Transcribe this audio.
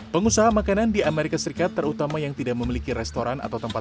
pengusaha makanan di amerika serikat terutama yang tidak memiliki restoran atau tempat